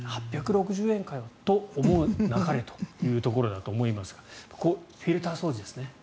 ８６０円かよと思うなかれというところだと思いますがフィルター掃除ですね。